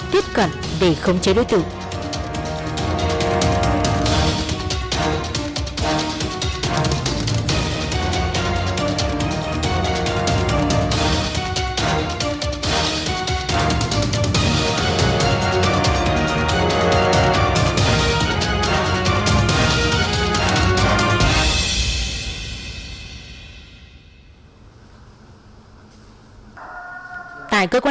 tiếp cận để không bị bỏ lỡ